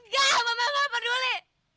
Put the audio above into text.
gak mama mama peduli